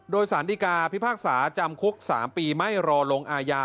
โดยสารดีกาพิพากษาจำคุก๓ปีไม่รอลงอาญา